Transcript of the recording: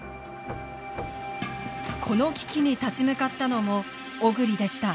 この危機に立ち向かったのも小栗でした。